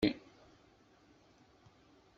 Tɛeyyen-awent Tiziri.